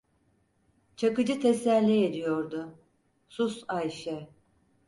Çakıcı teselli ediyordu: - Sus Ayşe.